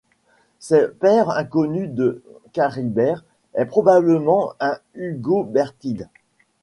Ce père inconnu de Caribert est probablement un Hugobertide.